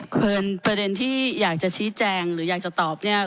คุณเอิญประเด็นที่อยากจะชี้แจงหรืออยากจะตอบเนี่ย